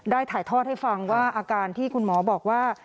ถ่ายทอดให้ฟังว่าอาการที่คุณหมอบอกว่า